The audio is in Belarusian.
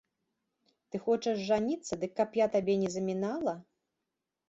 Ты хочаш жаніцца, дык каб я табе не замінала?!